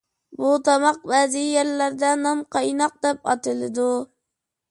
بۇ تاماق بەزى يەرلەردە «نانقايناق» دەپ ئاتىلىدۇ.